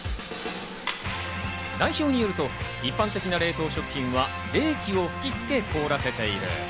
代表によると一般的な冷凍食品は冷気を吹きつけ、凍らせている。